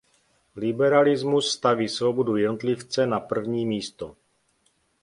Liberalismus staví svobodu jednotlivce na první místo.